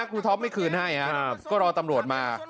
คุณพี่ท็อปไม่คืนให้นะครับก็รอตำรวจมา